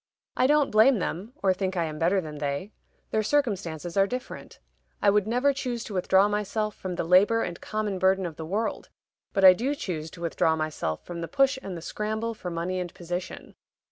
I don't blame them, or think I am better than they; their circumstances are different. I would never choose to withdraw myself from the labor and common burden of the world; but I do choose to withdraw myself from the push and the scramble for money and position.